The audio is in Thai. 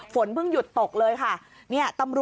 ฝนเพิ่งหยุดตกเลยค่ะ